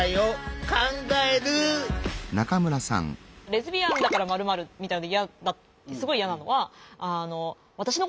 「レズビアンだから○○」みたいのですごい嫌なのはっていう